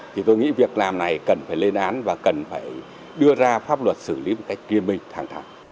thì tôi nghĩ việc làm này cần phải lên án và cần phải đưa ra pháp luật xử lý một cách riêng mình thẳng thẳng